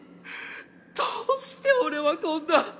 どうして俺はこんな